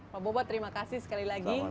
pak bobot terima kasih sekali lagi